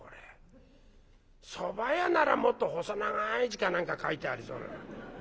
そば屋ならもっと細長い字か何か書いてありそうな。